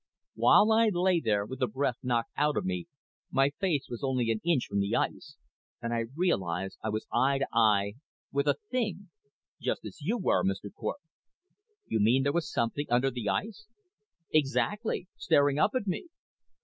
While I lay there, with the breath knocked out of me, my face was only an inch from the ice and I realized I was eye to eye with a thing. Just as you were, Mr. Cort." "You mean there was something under the ice?" "Exactly. Staring up at me.